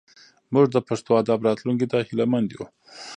موږ د پښتو ادب راتلونکي ته هیله مند یو.